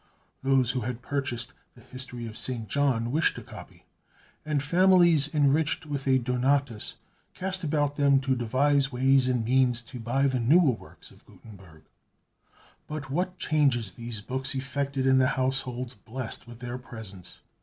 Those who had purchased the "History of St. John," wished a copy; and families enriched with a "Donatus," cast about them to devise ways and means to buy the newer works of Gutenberg. But what changes these books effected in the households blessed with their presence!